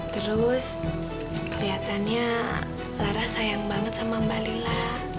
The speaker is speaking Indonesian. terus kelihatannya lara sayang banget sama mbak lila